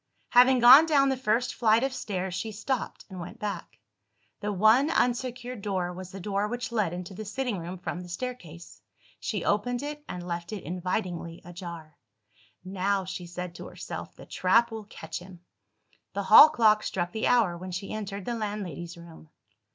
Having gone down the first flight of stairs, she stopped and went back. The one unsecured door, was the door which led into the sitting room from the staircase. She opened it and left it invitingly ajar. "Now," she said to herself, "the trap will catch him!" The hall clock struck the hour when she entered the landlady's room.